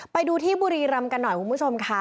ไปดูที่บุรีรำกันหน่อยคุณผู้ชมค่ะ